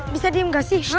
bisa diem gak sih